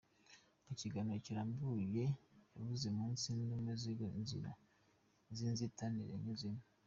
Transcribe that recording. Mu kiganiro kirambuye yavuye imuzi n’imuzingo inzira y’inzitane yanyuzemo.